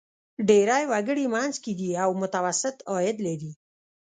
ډېری وګړي منځ کې دي او متوسط عاید لري.